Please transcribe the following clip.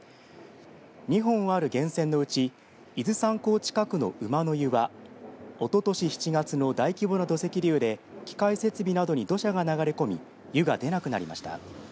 ２本ある源泉のうち伊豆山港近くの午の湯はおととし７月の大規模な土石流で機械設備などに土砂が流れ込み湯が出なくなりました。